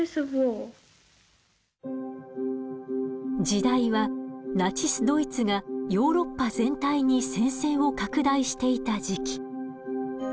時代はナチスドイツがヨーロッパ全体に戦線を拡大していた時期。